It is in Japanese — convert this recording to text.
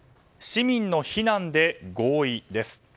市民の避難で合意です。